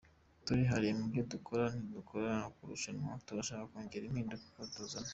Turihariye mu byo dukora; ntidukorera kurushanwa, turashaka kongera impinduka tuzana.